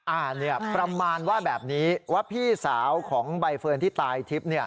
ประมาณว่าแบบนี้ว่าพี่สาวของใบเฟิร์นที่ตายทิพย์